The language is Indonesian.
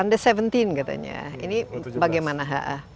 under tujuh belas katanya ini bagaimana ha